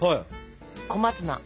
小松菜。